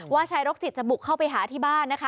ชายโรคจิตจะบุกเข้าไปหาที่บ้านนะคะ